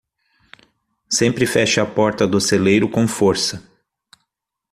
Sempre feche a porta do celeiro com força.